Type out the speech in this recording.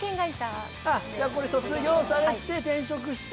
卒業されて転職して。